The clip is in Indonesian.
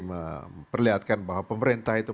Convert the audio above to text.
memperlihatkan bahwa pemerintah itu